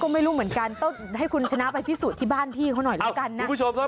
ก็ไม่รู้เหมือนกันต้องให้คุณชนะไปพิสูจน์ที่บ้านพี่เขาหน่อยแล้วกันนะ